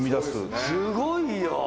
すごいよ。